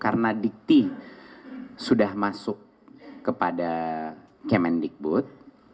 karena dikti sudah masuk kepada kemendikbud